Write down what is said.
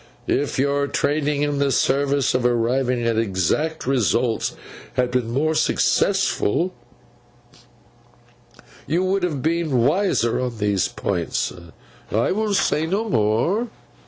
If your training in the science of arriving at exact results had been more successful, you would have been wiser on these points. I will say no more.